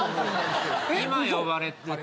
今呼ばれてる。